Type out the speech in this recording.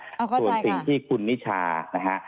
เอาเข้าใจค่ะส่วนสิ่งที่คุณนิชานะฮะ